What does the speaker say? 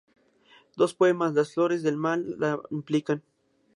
Dos poemas de "Las flores del mal" la implican.